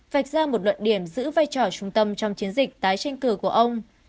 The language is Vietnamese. vạch ra một luận điểm giữ vai trò trung tâm trong chiến dịch tái tranh cử của ông